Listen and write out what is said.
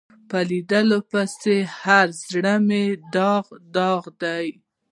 په لیدو پسې هر زړه منې داغ داغ دی